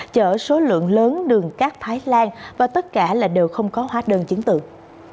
chở số lượng lớn đường cát thái lan và tất cả là đều không có hóa đơn chứng tự